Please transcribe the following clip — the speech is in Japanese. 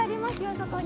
そこに。